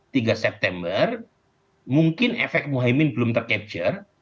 tanggal tiga september mungkin efek muhyiddin belum tercapture